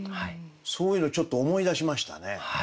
そういうのちょっと思い出しましたね。